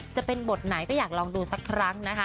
จะเป็นบทไหนก็อยากลองดูสักครั้งนะคะ